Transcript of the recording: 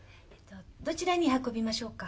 どちらに運びましょうか？